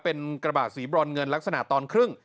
เป็นกระบะสีบรอนเงินลักษณะตอนครึ่ง